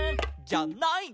「じゃない」